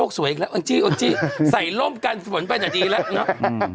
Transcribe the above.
โอ้ยโลกสวยอีกแล้วใส่ร่มกันเหมือนป่าวจะดีแล้ว